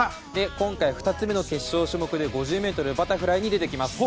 今回２つ目の決勝種目で５０ｍバタフライに出てきます。